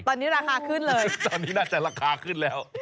ตอนนี้ราคาขึ้นเลยตอนนี้น่าจะราคาขึ้นแล้ว